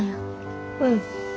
うん。